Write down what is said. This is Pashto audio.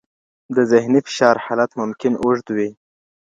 د ذهني فشار حالت ممکن اوږد وي.